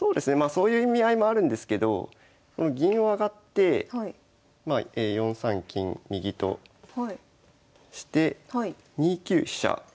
そういう意味合いもあるんですけど銀を上がって４三金右として２九飛車。